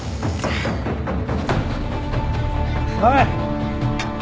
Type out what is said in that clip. おい！